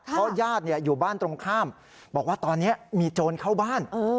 เพราะญาติอยู่บ้านตรงข้ามบอกว่าตอนนี้มีโจรเข้าบ้าน